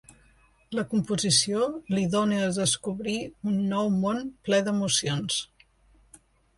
La composició li dóna a descobrir un nou món ple d'emocions.